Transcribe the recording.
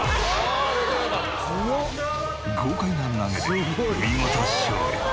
豪快な投げで見事勝利。